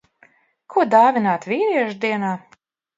Ko dāvināt vīriešu dienā?